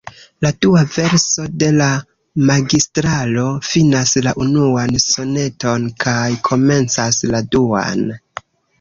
La dua verso de la Magistralo finas la unuan soneton kaj komencas la duan.